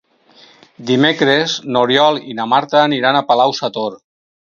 Dimecres n'Oriol i na Marta aniran a Palau-sator.